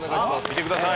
見てください